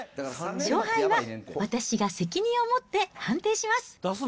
勝敗は私が責任を持って判定します。